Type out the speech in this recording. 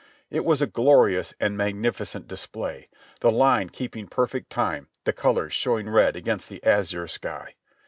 It was a glorious and magnificent display, the hne keeping perfect time, the colors showing red against the azure sky.